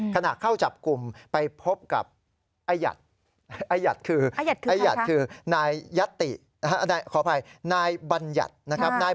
ขนาดเข้าจับกลุ่มไปพบกับ